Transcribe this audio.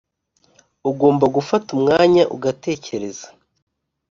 ugomba gufata umwanya ugatekereza